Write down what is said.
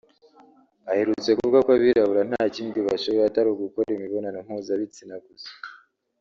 Aherutse kuvuga ko abirabura nta kindi bashoboye atari ugukora imibonano mpuzabitsina gusa